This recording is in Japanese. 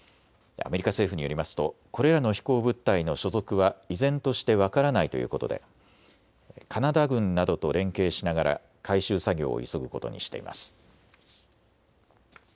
アメリカ政府によりますとこれらの飛行物体の所属は依然として分からないということでカナダ軍などと連携しながら回収作業を急ぐことにしています。